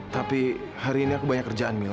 tapi hari ini aku banyak kerjaan mila